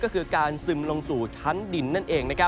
ก็คือการซึมลงสู่ชั้นดินนั่นเอง